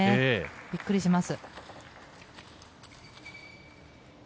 びっくりします。